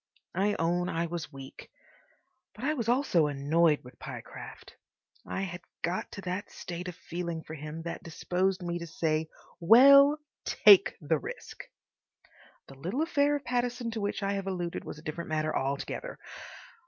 I own I was weak. But I was also annoyed with Pyecraft. I had got to that state of feeling for him that disposed me to say, "Well, TAKE the risk!" The little affair of Pattison to which I have alluded was a different matter altogether.